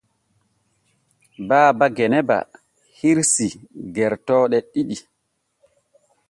Baaba Genaba hirsii gertooɗe ɗiɗi.